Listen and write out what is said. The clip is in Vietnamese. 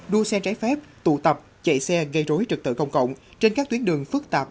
đua xe trái phép tụ tập chạy xe gây rối trực tự công cộng trên các tuyến đường phức tạp